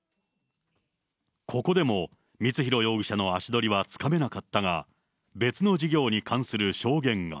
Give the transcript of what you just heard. ここでも光弘容疑者の足取りはつかめなかったが、別の事業に関する証言が。